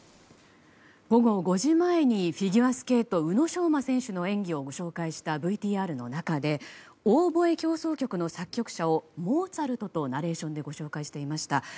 午後５時前にフィギュアスケート宇野昌磨選手の演技をご紹介したＶＴＲの中で「オーボエ協奏曲」の作曲者をモーツァルトとナレーションでご紹介していました。